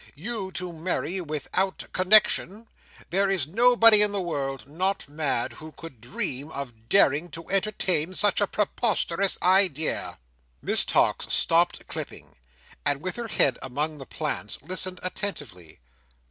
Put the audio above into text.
You to marry without connexion! There is nobody in the world, not mad, who could dream of daring to entertain such a preposterous idea!'" Miss Tox stopped clipping; and with her head among the plants, listened attentively.